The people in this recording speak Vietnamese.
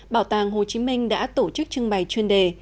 bảo tàng hồ chí minh đã tổ chức trưng bày chuyên đề